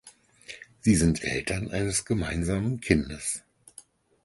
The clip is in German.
Sie sind Eltern eines gemeinsamen Kindes.